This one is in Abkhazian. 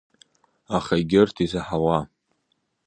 Аха егьырҭ изаҳауа?